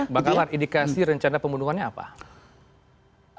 bakalan ini dikasih rencana pembunuhannya apa